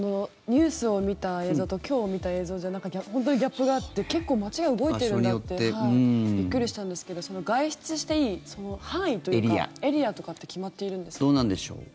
ニュースを見た映像と今日見た映像では本当にギャップがあって結構、街は動いているんだってびっくりしたんですけど外出していい範囲というかエリアとかって決まっているんですか？